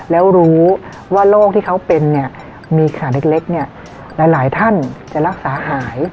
แล้วรู้ว่าโรคที่เขาเป็นเนี่ยมีขาเล็กเนี่ยหลายท่านจะรักษาหาย